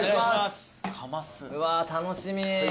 うわ楽しみ。